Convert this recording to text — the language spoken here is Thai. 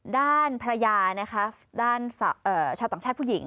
ด้านภรรยานะคะด้านชาวต่างชาติผู้หญิง